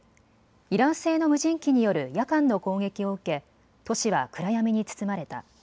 イラン製の無人機による夜間の攻撃を受け都市は暗闇に包まれた。